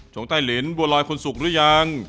งใต้ลิ้นบัวลอยคนสุกหรือยัง